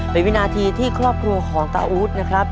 เป็นวินาทีที่ครอบครัวของตาอู๊ดนะครับ